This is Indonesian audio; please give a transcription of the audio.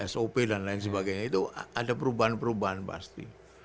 sop dan lain sebagainya itu ada perubahan perubahan pasti